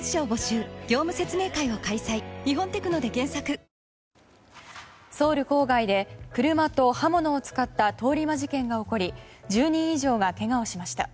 最高の渇きにＤＲＹソウル郊外で車と刃物を使った通り魔事件が起こり１０人以上がけがをしました。